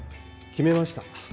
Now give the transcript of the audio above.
決めました